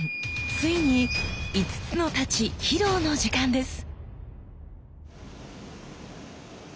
ついに五津之太刀披露の時間です。